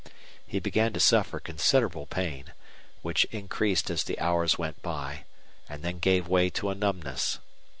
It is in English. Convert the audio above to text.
He began to suffer considerable pain, which increased as the hours went by and then gave way to a numbness.